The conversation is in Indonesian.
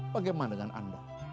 bagaimana dengan anda